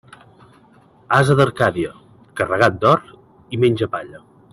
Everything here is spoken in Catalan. Ase d'Arcàdia, carregat d'or, i menja palla.